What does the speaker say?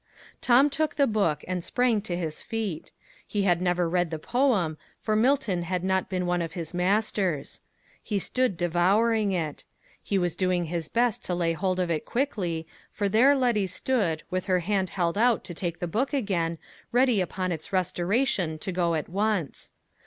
Tom took the book, and sprang to his feet. He had never read the poem, for Milton had not been one of his masters. He stood devouring it. He was doing his best to lay hold of it quickly, for there Letty stood, with her hand held out to take the book again, ready upon its restoration to go at once.